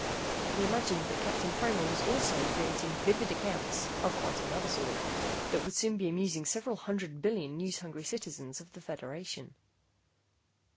He imagined that Captain Fromer was also creating vivid accounts of quite another sort that would soon be amusing several hundred billion news hungry citizens of the Federation.